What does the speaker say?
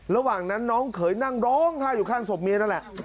ระหว่างนั้นน้องเขยนั่งร้องไห้อยู่ข้างศพเมียนั่นแหละ